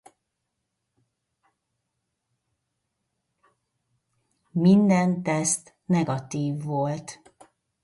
Minden teszt negatív volt.